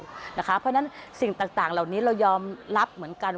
เพราะฉะนั้นสิ่งต่างเหล่านี้เรายอมรับเหมือนกัน